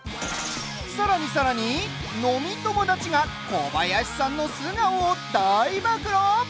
さらに、さらに飲み友達が小林さんの素顔を大暴露？